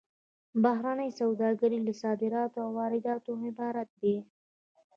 بهرنۍ سوداګري له صادراتو او وارداتو عبارت ده